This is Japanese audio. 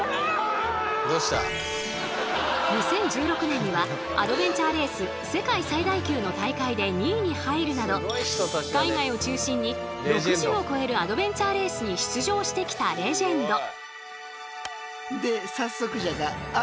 ２０１６年にはアドベンチャーレース世界最大級の大会で２位に入るなど海外を中心に６０を超えるアドベンチャーレースに出場してきたレジェンド。